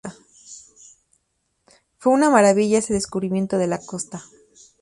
Fue una maravilla ese descubrimiento de la costa.